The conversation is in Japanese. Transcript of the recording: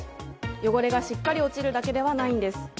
汚れがしっかり落ちるだけではないんです。